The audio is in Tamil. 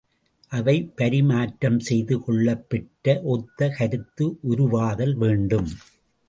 அவை பரிமாற்றம் செய்து கொள்ளப்பெற்று ஒத்த கருத்து உருவாதல் வேண்டும்.